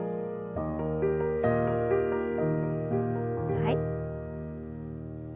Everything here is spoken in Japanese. はい。